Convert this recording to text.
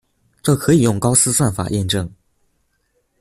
这可以用高斯算法验证。